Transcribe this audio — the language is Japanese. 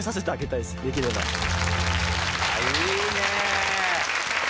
いいねぇ！